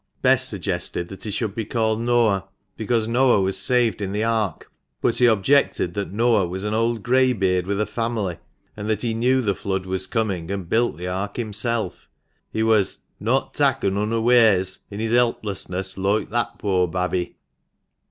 Bess suggested that he should be called Noah, because Noah was saved in the ark ; but he objected that Noah was an old greybeard, with a family, and that he knew the flood was coming, and built the ark himself; he was "not takken unawares in his helplessness loike that poor babby."